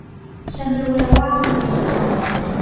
ฉันรู้แล้วว่ามันเป็นใคร